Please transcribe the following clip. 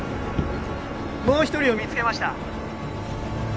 もう一人を見つけました